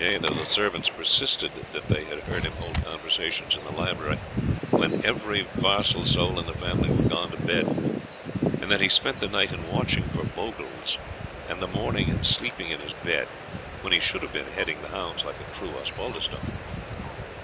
Yea, the servants persisted that they had heard him hold conversations in the library, when every varsal soul in the family were gone to bed; and that he spent the night in watching for bogles, and the morning in sleeping in his bed, when he should have been heading the hounds like a true Osbaldistone.